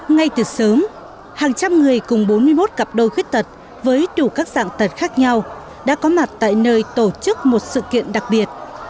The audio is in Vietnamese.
ngay từ sớm hàng trăm người cùng bốn mươi một cặp đôi khuyết tật với đủ các dạng tật khác nhau đã có mặt tại nơi tổ chức một sự kiện đặc biệt